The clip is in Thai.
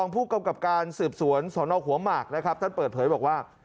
ผู้กำกับการสืบสวนสนหัวหมากนะครับท่านเปิดเผยบอกว่า